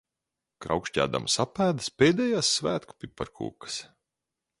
Kraukšķēdamas apēdas pēdējās svētku piparkūkas.